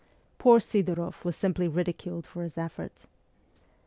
Poor Sidoroff was simply ridiculed for his efforts.